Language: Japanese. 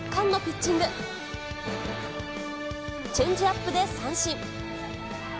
チェンジアップで三振。